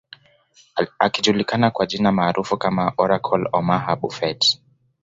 Akijulikana kwa jina maarufu kama Oracle Omaha Buffet